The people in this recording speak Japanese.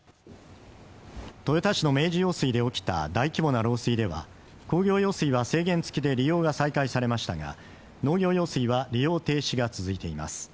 豊田市の明治用水で起きた大規模な漏水では工業用水は制限つきで利用が再開されましたが、農業用水は利用停止が続いています。